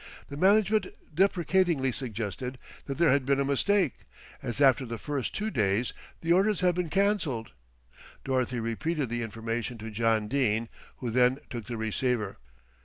The management deprecatingly suggested that there had been a mistake, as after the first two days the order had been cancelled. Dorothy repeated the information to John Dene, who then took the receiver.